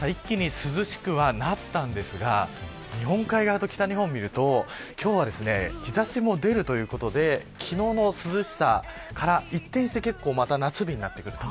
一気に涼しくはなったんですが日本海側と北日本を見ると今日は日差しも出るということで昨日の涼しさから一転してまた夏日になってくると。